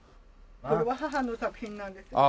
これは母の作品なんですが。